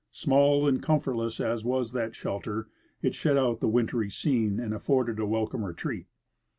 Small and comfortless as Avas that shelter, it shut out the wintry scene and afforded a welcome retreat.